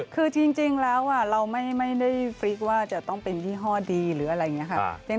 คือจริงแล้วเราไม่ได้ฟริกว่าจะต้องเป็นยี่ห้อดีหรืออะไรอย่างนี้ค่ะ